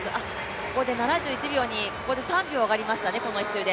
ここで７１秒に、３秒上がりましたね、この１周で。